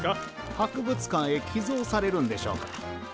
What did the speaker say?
博物館へ寄贈されるんでしょうか？